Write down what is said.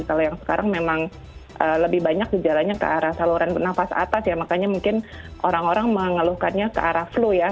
kalau yang sekarang memang lebih banyak gejalanya ke arah saluran penafas atas ya makanya mungkin orang orang mengeluhkannya ke arah flu ya